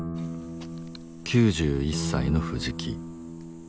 ９１歳の藤木。